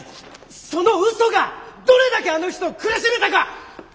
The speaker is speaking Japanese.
そのうそがどれだけあの人を苦しめたか！